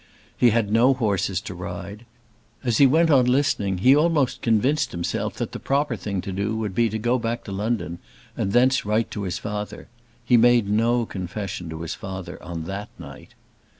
He had no horses to ride. As he went on listening he almost convinced himself that the proper thing to do would be to go back to London and thence write to his father. He made no confession to his father on that night.